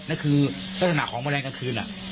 นั่นคือลักษณะของแมลงกลางคืน